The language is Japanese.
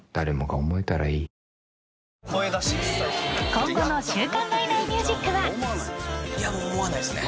［今後の『週刊ナイナイミュージック』は］いや思わないっすね。